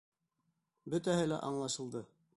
Бөтәһе лә аңлашылды.